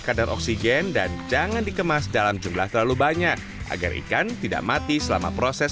kadar oksigen dan jangan dikemas dalam jumlah terlalu banyak agar ikan tidak mati selama proses